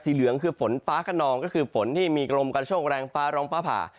เหลืองคือฝนฟ้าขนองก็คือฝนที่มีกรมการโชคแรงฟ้าร้องฟ้าผ่า